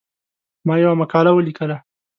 ما یوه مقاله ولیکله.